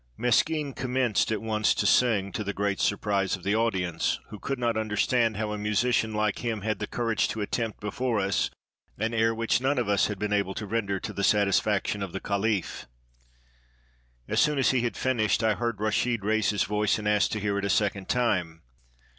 "Meskin commenced at once to sing, to the great surprise of the audience, who could not understand how a musician like him had the courage to attempt before us an air which none of us had been able to render to the satisfaction of the caliph. As soon as he had finished, I heard Rashid raise his voice and ask to hear it a second time.